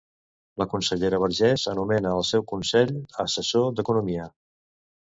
La consellera Vergés nomena el seu Consell Assessor d'Economia.